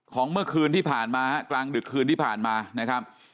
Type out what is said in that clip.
เมื่อคืนที่ผ่านมากลางดึกคืนที่ผ่านมานะครับ